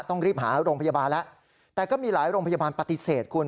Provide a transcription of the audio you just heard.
ต้องรีบหาโรงพยาบาลแล้วแต่ก็มีหลายโรงพยาบาลปฏิเสธคุณ